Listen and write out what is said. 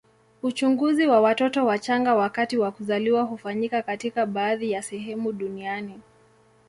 Uchunguzi wa watoto wachanga wakati wa kuzaliwa hufanyika katika baadhi ya sehemu duniani.